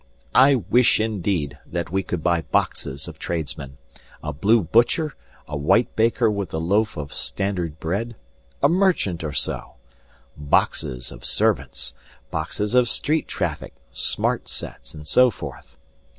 I wish, indeed, that we could buy boxes of tradesmen: a blue butcher, a white baker with a loaf of standard bread, a merchant or so; boxes of servants, boxes of street traffic, smart sets, and so forth.